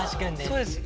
そうです